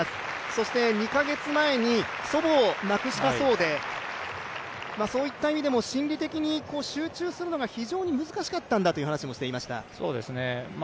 そして２カ月前に祖母を亡くしたそうで、そういった意味でも心理的に集中するのが非常に難しかったんだという話もしていました。